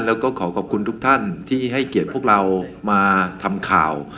แล้วก็ขอขอบคุณทุกท่านที่ให้เกียรติพวกเรามาทำข่าว